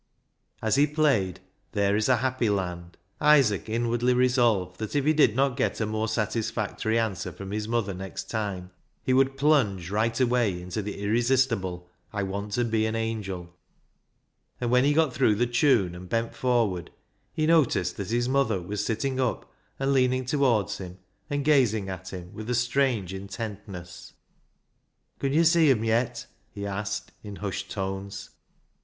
As he played " There is a happy land," Isaac inwardly resolved that if he did not get a more satisfactory answer from his mother next time, he would plunge right away into the irresistible " I want to be an angel," and when he got through the tune and bent forward, he noticed that his mother was sitting up, and leaning towards him, and gazing at him with a strange intentness. " Con yo' see 'em yet ?" he asked, in hushed tones.